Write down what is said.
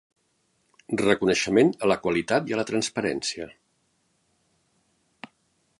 Reconeixement a la qualitat i a la transparència